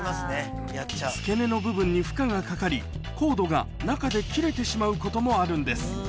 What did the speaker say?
付け根の部分に負荷がかかりコードが中で切れてしまうこともあるんです